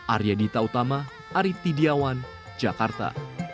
arya dita utama arief tidiawan jakarta